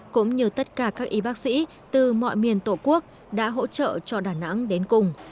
cũng như tất cả các y bác sĩ từ mọi miền tổ quốc đã hỗ trợ cho đà nẵng đến cùng